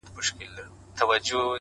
ستـا له خندا سره خبري كـوم!